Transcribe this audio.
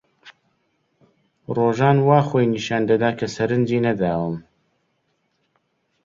ڕۆژان وا خۆی نیشان دەدا کە سەرنجی نەداوم.